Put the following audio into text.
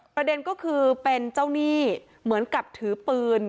ประเด็นก็คือเป็นเจ้าหนี้เหมือนกับถือปืน